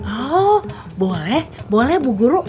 oh boleh boleh bu guru